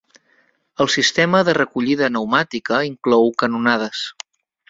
El sistema de recollida pneumàtica inclou canonades.